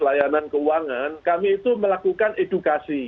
layanan keuangan kami itu melakukan edukasi